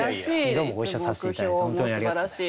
どうもご一緒させて頂いて本当にありがとうございました。